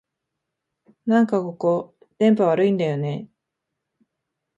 なんかここ、電波悪いんだよねえ